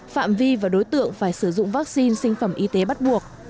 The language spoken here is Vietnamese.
phạm vi và đối tượng phải sử dụng vaccine sinh phẩm y tế bắt buộc